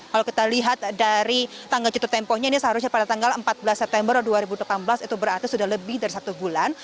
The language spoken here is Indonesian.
kalau kita lihat dari tanggal jatuh tempohnya ini seharusnya pada tanggal empat belas september dua ribu delapan belas itu berarti sudah lebih dari satu bulan